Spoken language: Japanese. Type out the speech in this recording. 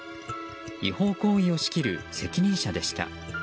違法行為を仕切る責任者でした。